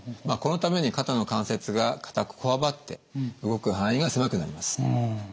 まあこのために肩の関節が硬くこわばって動く範囲が狭くなります。